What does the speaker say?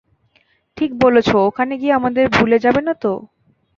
ঠিক বলেছো, - ওখানে গিয়ে আমাদের ভুলে যাবে না তো?